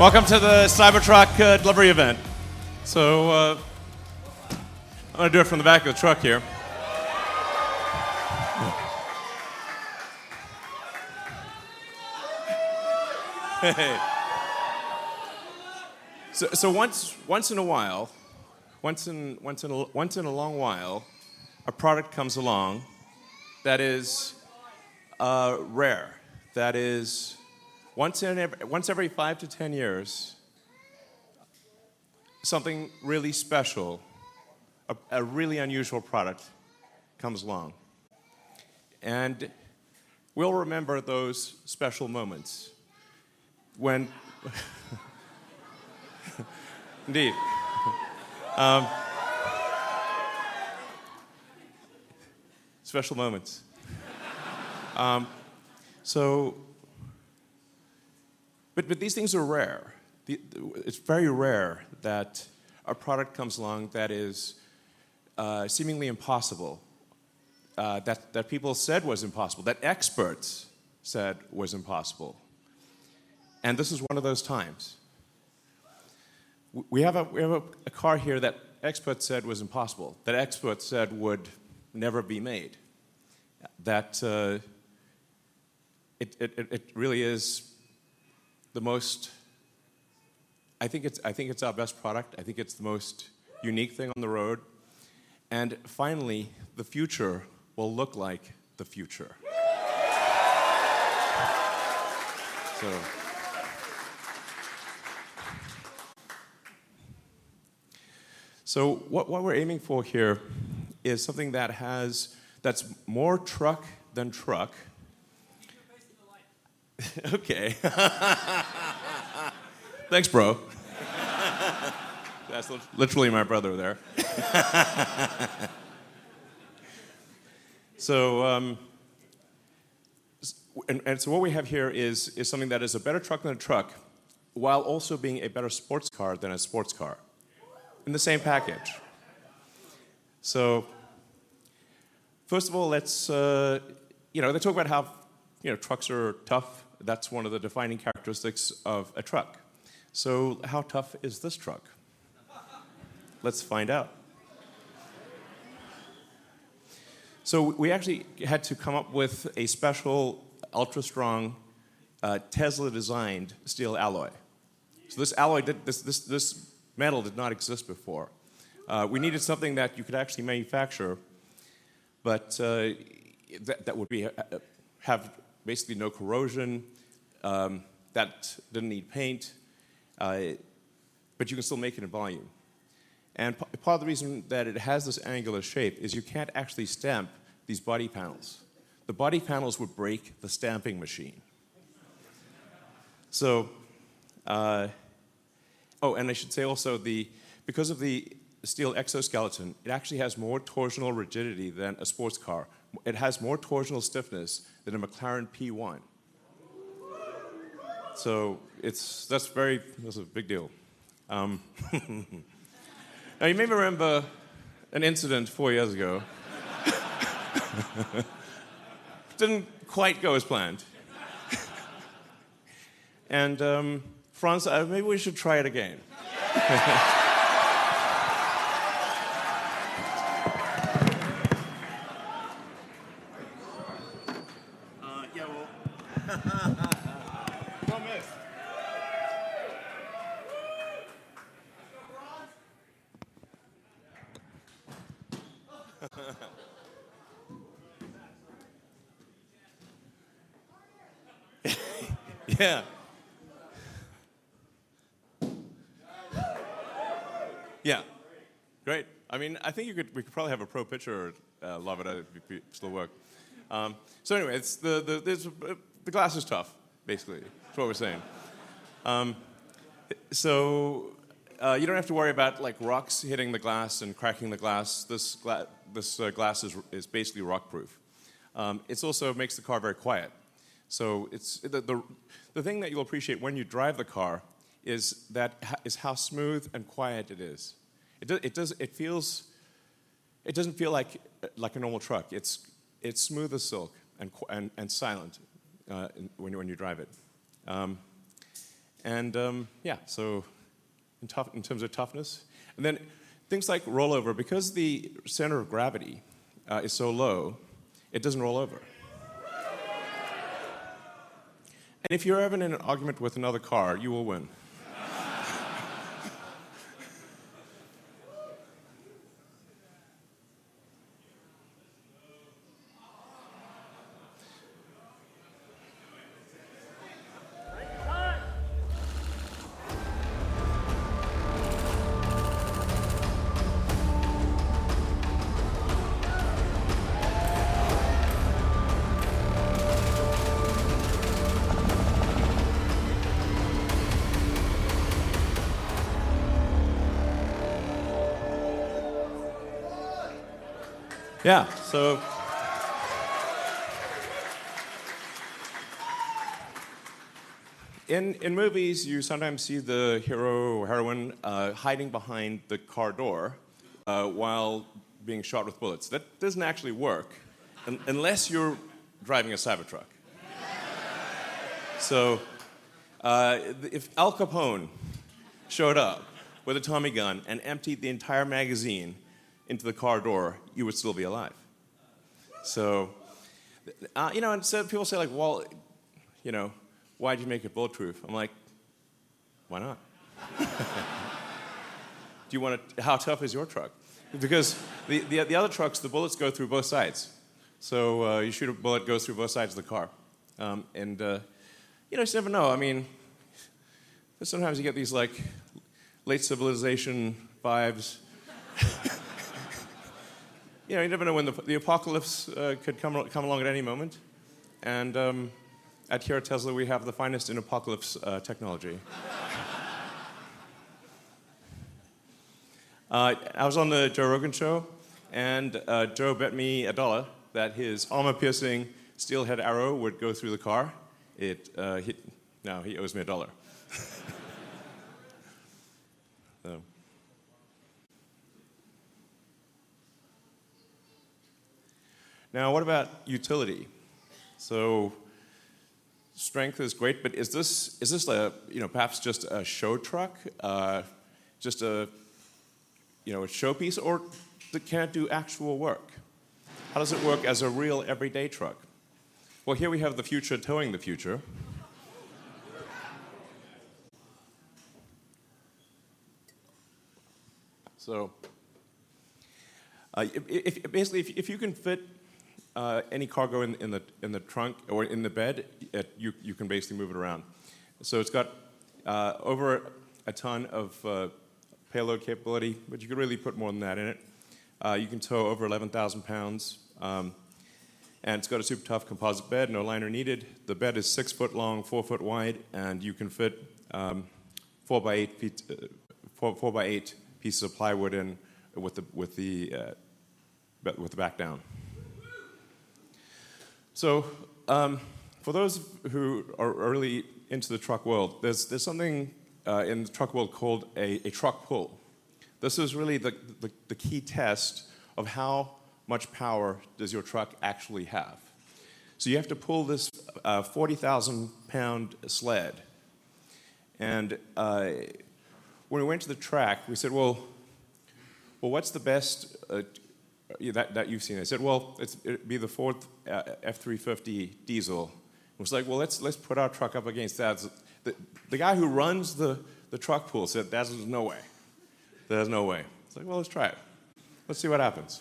Welcome to the Cybertruck delivery event. So, I'm gonna do it from the back of the truck here. Hey, hey! So once in a while, once in a long while, a product comes along that is rare, that is... Once every 5-10 years, something really special, a really unusual product comes along. And we'll remember those special moments when, indeed. Special moments. So, but these things are rare. It's very rare that a product comes along that is seemingly impossible, that people said was impossible, that experts said was impossible, and this is one of those times. We have a car here that experts said was impossible, that experts said would never be made, that really is the most... I think it's our best product. I think it's the most unique thing on the road, and finally, the future will look like the future. So what we're aiming for here is something that's more truck than truck. Okay. Thanks, bro. That's literally my brother there. So, what we have here is something that is a better truck than a truck, while also being a better sports car than a sports car in the same package. So first of all, let's you know, they talk about how, you know, trucks are tough. That's one of the defining characteristics of a truck. So how tough is this truck? Let's find out. So we actually had to come up with a special, ultra-strong, Tesla-designed steel alloy. So this alloy, this metal did not exist before. We needed something that you could actually manufacture, but that would have basically no corrosion, that didn't need paint, but you can still make it in volume. And part of the reason that it has this angular shape is you can't actually stamp these body panels. The body panels would break the stamping machine. So... Oh, and I should say also, because of the steel exoskeleton, it actually has more torsional rigidity than a sports car. It has more torsional stiffness than a McLaren P1. So it's, that's very, that's a big deal. Now, you may remember an incident four years ago. Didn't quite go as planned. And, Franz, maybe we should try it again. Great. I mean, I think you could, we could probably have a pro pitcher, lob it at it, still work. So anyway, the glass is tough, basically is what we're saying. So, you don't have to worry about, like, rocks hitting the glass and cracking the glass. This glass is basically rock-proof. It's also makes the car very quiet. So it's the thing that you'll appreciate when you drive the car is how smooth and quiet it is. It does, it feels, it doesn't feel like, like a normal truck. It's smooth as silk, and quiet and silent, when you drive it. And yeah, so in terms of toughness. Then things like rollover, because the center of gravity is so low, it doesn't roll over. If you're ever in an argument with another car, you will win. Let's go! Yeah, in movies, you sometimes see the hero or heroine hiding behind the car door while being shot with bullets. That doesn't actually work unless you're driving a Cybertruck. So, if Al Capone showed up with a Tommy gun and emptied the entire magazine into the car door, you would still be alive. So, you know, and so people say, like, "Well, you know, why'd you make it bulletproof?" I'm like, "Why not?" How tough is your truck? Because the other trucks, the bullets go through both sides. So, you shoot a bullet, it goes through both sides of the car. And, you know, just never know. I mean, sometimes you get these, like, late civilization vibes. You know, you never know when the apocalypse could come along at any moment, and here at Tesla, we have the finest in apocalypse technology. I was on the Joe Rogan show, and Joe bet me $1 that his armor-piercing, steel-head arrow would go through the car. It now he owes me $1. So now, what about utility? So strength is great, but is this a you know, perhaps just a show truck, just a you know, a showpiece or that can't do actual work? How does it work as a real everyday truck? Well, here we have the future towing the future. So, basically, if you can fit any cargo in the trunk or in the bed, you can basically move it around. So it's got over a ton of payload capability, but you can really put more than that in it. You can tow over 11,000 pounds, and it's got a super tough composite bed, no liner needed. The bed is 6 foot long, 4 foot wide, and you can fit 4 by 8 feet 4 by 8 pieces of plywood in with the bed, with the back down. So for those who are really into the truck world, there's something in the truck world called a truck pull. This is really the key test of how much power does your truck actually have. So you have to pull this, 40,000-pound sled, and, when we went to the track, we said, "Well, well, what's the best, that, that you've seen?" They said, "Well, it'd be the Ford F-350 diesel." We're just like: "Well, let's, let's put our truck up against that." The guy who runs the truck pull said, "There's no way. There's no way." I was like: "Well, let's try it. Let's see what happens."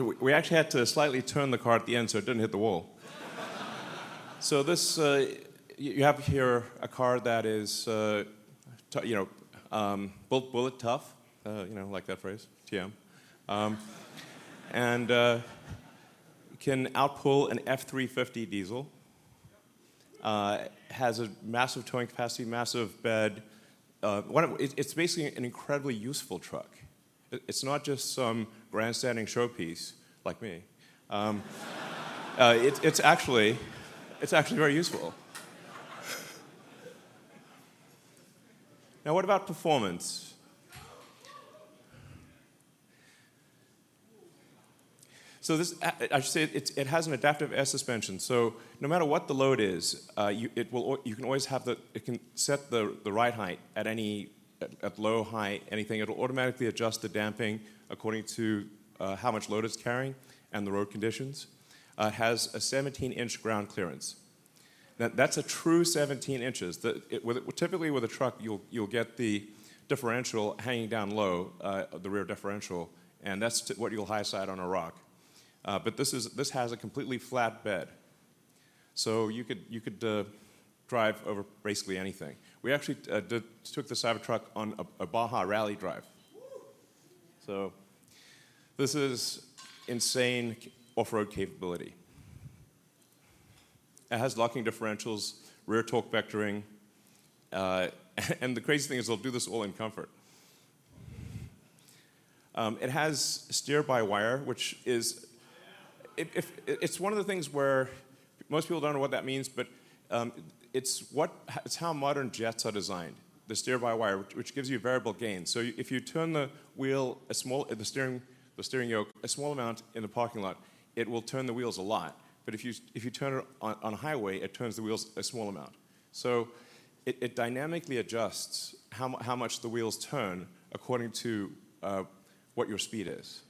So we actually had to slightly turn the car at the end, so it didn't hit the wall. So this, you have here a car that is, you know, bullet tough, you know, like that phrase, GM, and, can outpull an F-350 diesel, has a massive towing capacity, massive bed, one of... It's, it's basically an incredibly useful truck. It's not just some grandstanding showpiece, like me. It's actually very useful. Now, what about performance? So this, I should say, it has an adaptive air suspension, so no matter what the load is, you can always have the... It can set the ride height at any low, high, anything. It'll automatically adjust the damping according to how much load it's carrying and the road conditions. It has a 17-inch ground clearance. Now, that's a true 17 inches. Typically, with a truck, you'll get the differential hanging down low, the rear differential, and that's what you'll high-side on a rock. But this has a completely flat bed, so you could drive over basically anything. We actually took the Cybertruck on a Baja rally drive. So this is insane off-road capability. It has locking differentials, rear torque vectoring, and the crazy thing is, it'll do this all in comfort. It has steer-by-wire, which is one of the things where most people don't know what that means, but it's how modern jets are designed, the steer-by-wire, which gives you variable gain. So if you turn the steering yoke a small amount in the parking lot, it will turn the wheels a lot. But if you turn it on a highway, it turns the wheels a small amount. So it dynamically adjusts how much the wheels turn according to what your speed is.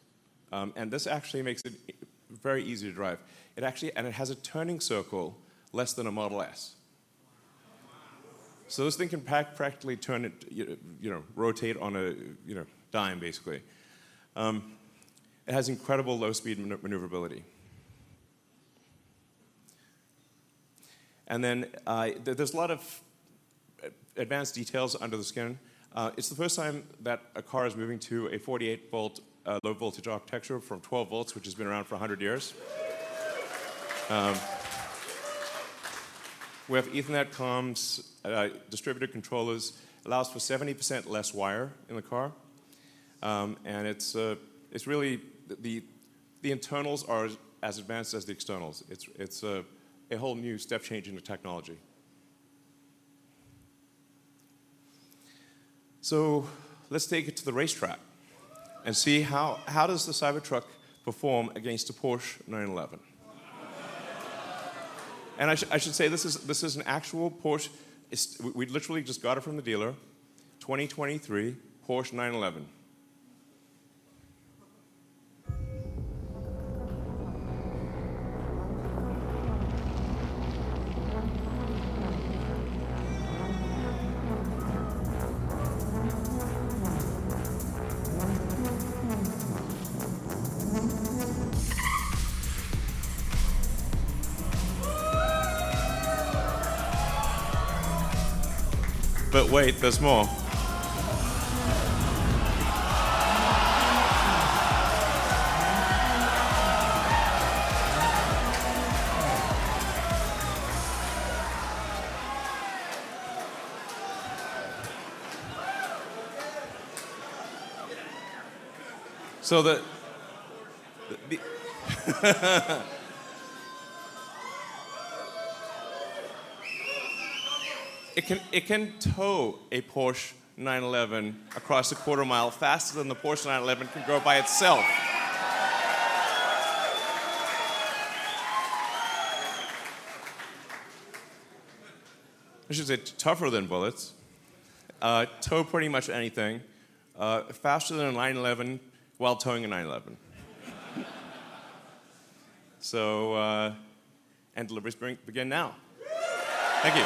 This actually makes it very easy to drive. It actually has a turning circle less than a Model S. So this thing can practically turn it, you know, rotate on a, you know, dime, basically. It has incredible low-speed maneuverability. And then, there's a lot of advanced details under the skin. It's the first time that a car is moving to a 48-volt low-voltage architecture from 12 volts, which has been around for 100 years. We have Ethernet comms, distributed controllers, allows for 70% less wire in the car. And it's really the internals are as advanced as the externals. It's a whole new step change in the technology. So let's take it to the racetrack and see how does the Cybertruck perform against a Porsche 911? And I should say, this is an actual Porsche. We literally just got it from the dealer. 2023 Porsche 911. But wait, there's more. It can tow a Porsche 911 across a quarter mile faster than the Porsche 911 can go by itself. I should say, tougher than bullets. Tow pretty much anything faster than a 911, while towing a 911. And deliveries begin now. Thank you.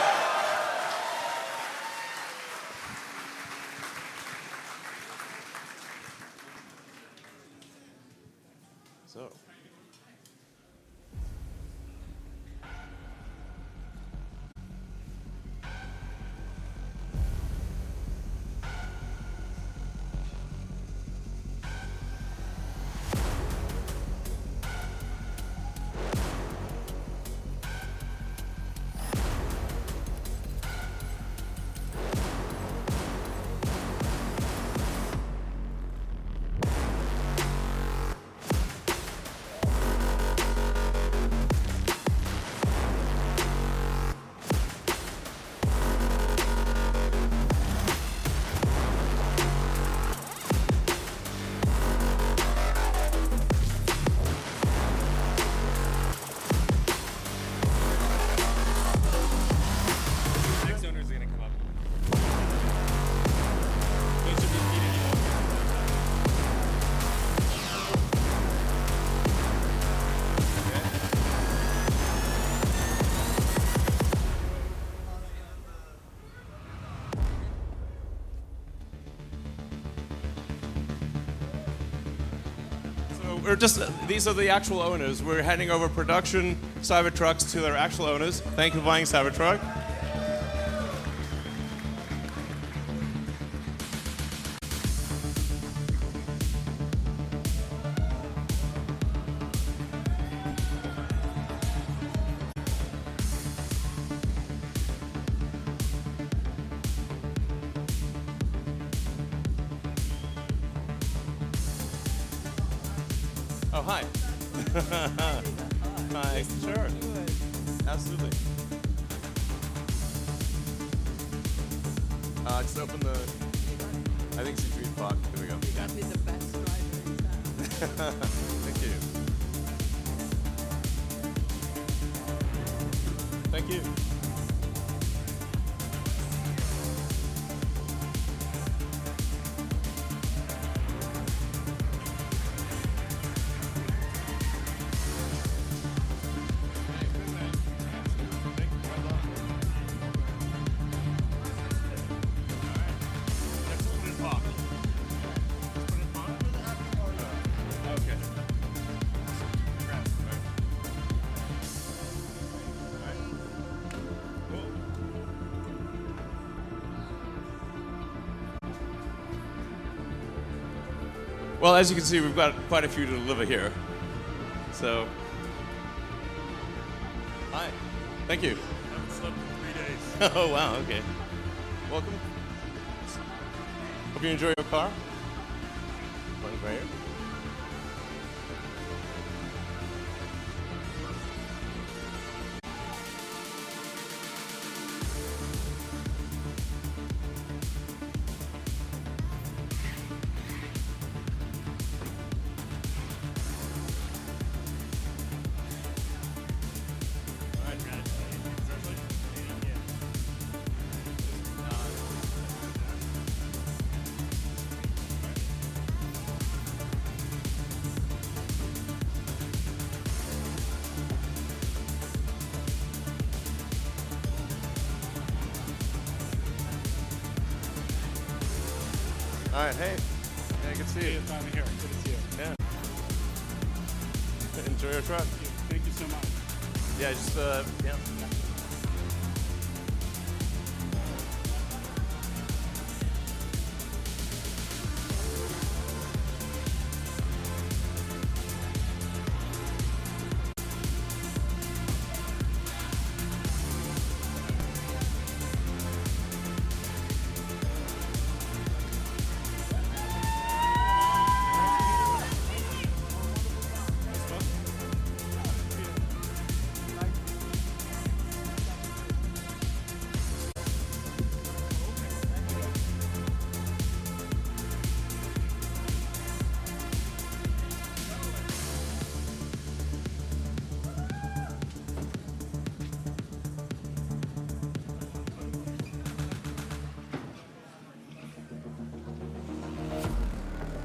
So... Next owner's gonna come up. Those are the key to you. Okay. These are the actual owners. We're handing over production Cybertrucks to their actual owners. Thank you for buying a Cybertruck. Oh, hi. Hi. Sure. Absolutely. Just open the... I think it's gonna be fun. Here we go. Yeah. You'll be the best driver in town. Thank you. Thank you! Thanks, good luck. Thanks very much. All right, let's open this box. Put it on or have it for you? Oh, okay. Alright. Alright, cool. Well, as you can see, we've got quite a few to deliver here, so... Hi. Thank you. I haven't slept in three days. Oh, wow, okay. Welcome. Hope you enjoy your car. One right here.... All right, hey! Hey, good to see you. Good, finally here. Good to see you. Yeah. Enjoy your truck. Thank you so much. Yeah, just, yep.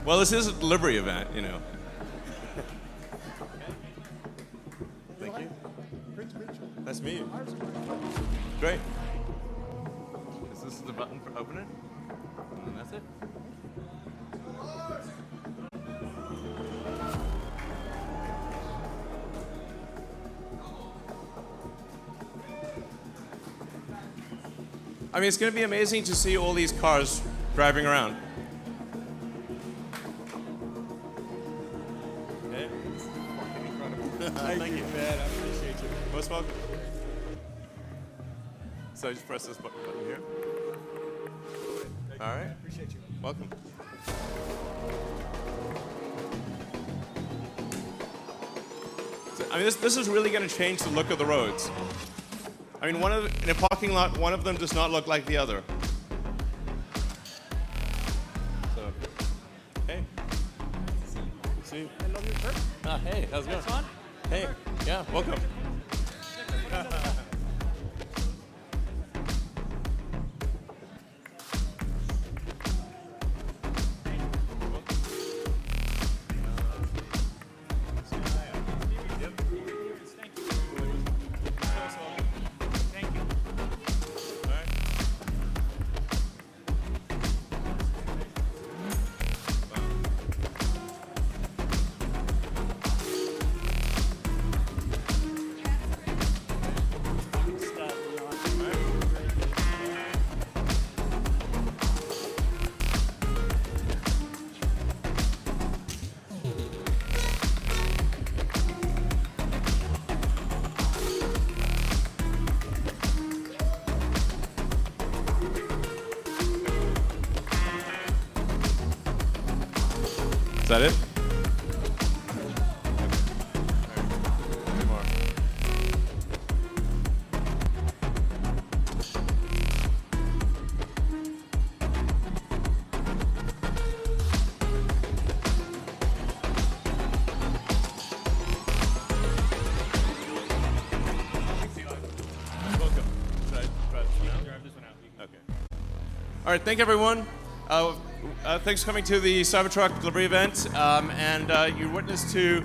Well, this is a delivery event, you know? Thank you. Prince Mitchell. Nice to meet you.... Great. Is this the button for opening? And that's it. Go, Lars! I mean, it's gonna be amazing to see all these cars driving around. Hey. Incredible. Thank you, man, I appreciate you. Most welcome. So I just press this button here? Okay. All right. Thank you, I appreciate you. Welcome. I mean, this, this is really gonna change the look of the roads. I mean, one of... In a parking lot, one of them does not look like the other. So, hey. Good to see you. Good to see you. Hello, Mr. Musk. Ah, hey, how's it going? Hey, what's going on? Hey. Yeah. Welcome. Thank you. You're welcome. Yep. Thank you. All right. Is that it? All right, two more. Welcome. Should I drive this one out? Drive this one out, you can. Okay. All right, thank you, everyone. Thanks for coming to the Cybertruck delivery event. And you witnessed to...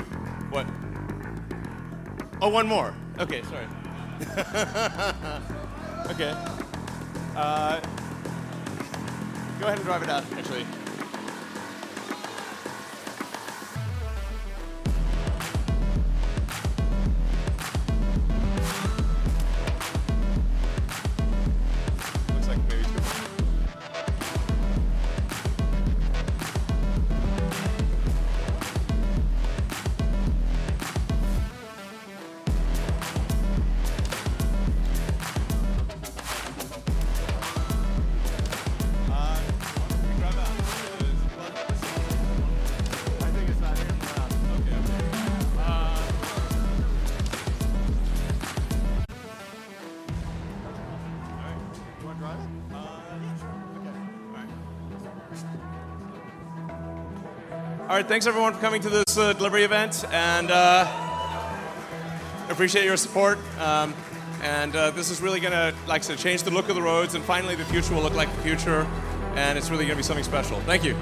What? Oh, one more. Okay, sorry. Okay. Go ahead and drive it out, actually. Looks like Mary's here. Drive out. I think it's not here. No. Okay. All right. You wanna drive it? Sure. Okay. All right. All right, thanks, everyone, for coming to this delivery event, and I appreciate your support. And this is really gonna, like I said, change the look of the roads, and finally, the future will look like the future, and it's really gonna be something special. Thank you!